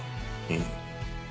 うん。